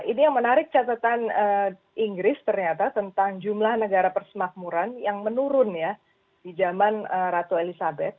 ini yang menarik catatan inggris ternyata tentang jumlah negara persemakmuran yang menurun ya di zaman ratu elizabeth